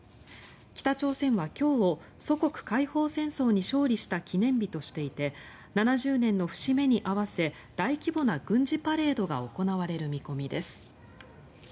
北朝鮮は今日を祖国解放戦争に勝利した記念日としていて７０年の節目に合わせ大規模な軍事パレードが行われる見込みです。